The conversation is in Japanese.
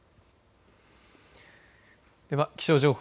では気象情報。